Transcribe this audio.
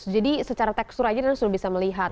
jadi secara tekstur saja sudah bisa melihat